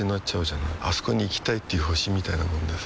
あそこに行きたいっていう星みたいなもんでさ